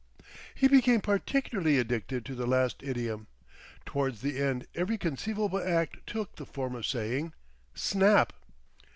He became particularly addicted to the last idiom. Towards the end every conceivable act took the form of saying "snap!"